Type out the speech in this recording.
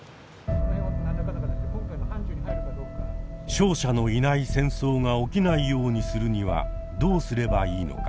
“勝者のいない戦争”が起きないようにするにはどうすればいいのか。